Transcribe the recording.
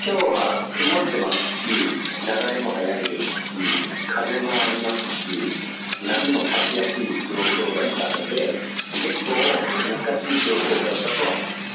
きょうは曇ってますし、流れも速いですし、風もありますし、波も立ちやすい状況だったので、結構難しい状況だったとは思いま